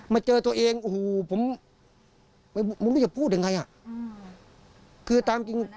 มาเจอตัวเองอูหูผมไม่อยากพูดยังไงคือตามจริง